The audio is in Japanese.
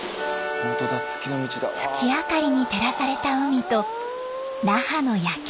月明かりに照らされた海と那覇の夜景。